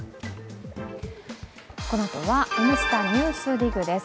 このあとはＮスタ「ＮＥＷＳＤＩＧ」です。